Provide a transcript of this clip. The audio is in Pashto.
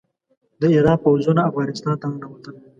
د ایران پوځونه افغانستان ته ننوتل.